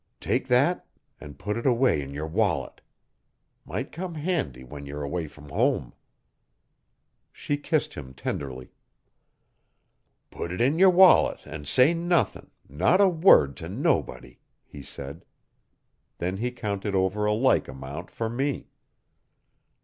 take thet an' put it away in yer wallet. Might come handy when ye're 'way fr'm hum.' She kissed him tenderly. 'Put it 'n yer wallet an' say nothin' not a word t' nobody,' he said. Then he counted over a like amount for me.